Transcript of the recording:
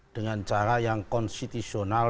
dengan cara yang konstitusional